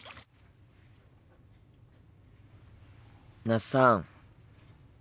那須さん。